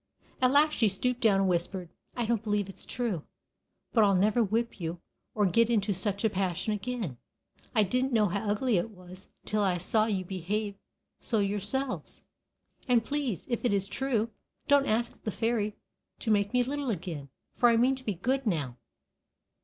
At last she stooped down and whispered: "I don't believe it's true; but I'll never whip you or get into such a passion again. I didn't know how ugly it was till I saw you behave so yourselves. And please, if it is true, don't ask the fairy to make me little again, for I mean to be good now."